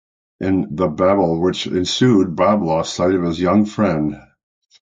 In the babel which ensued Bob lost sight of his young friend.